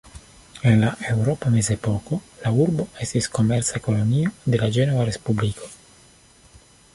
En la eŭropa mezepoko, la urbo estis komerca kolonio de la Ĝenova Respubliko.